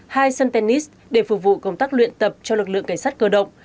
hai sân tennis để phục vụ công tác luyện tập cho lực lượng cảnh sát cơ động